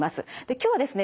今日はですね